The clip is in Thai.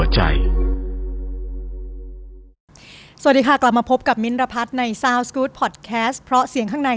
ฉันดูแลยังเข้าใจ